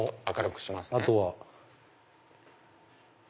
明るくしますね。